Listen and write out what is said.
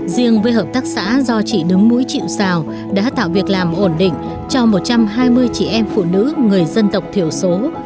riêng với hợp tác xã do chị đứng mũi chịu xào đã tạo việc làm ổn định cho một trăm hai mươi chị em phụ nữ người dân tộc thiểu số